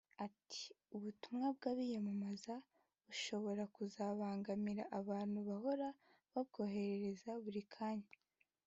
Ati ″Ubutumwa bw’abiyamamaza bushobora kuzabangamira abantu bahora babwohereza buri kanya